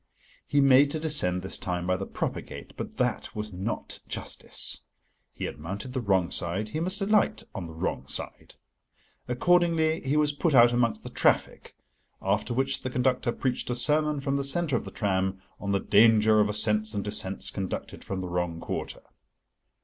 He made to descend this time by the proper gate, but that was not justice. He had mounted the wrong side, he must alight on the wrong side. Accordingly, he was put out amongst the traffic, after which the conductor preached a sermon from the centre of the tram on the danger of ascents and descents conducted from the wrong quarter.